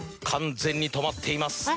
完全に止まっています。